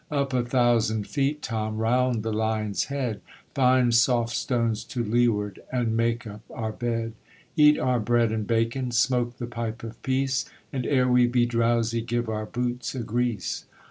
Up a thousand feet, Tom, Round the lion's head, Find soft stones to leeward And make up our bed. Eat our bread and bacon, Smoke the pipe of peace, And, ere we be drowsy, Give our boots a grease.